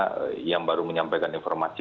karena yang baru menyampaikan informasi